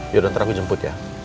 yaudah ntar aku jemput ya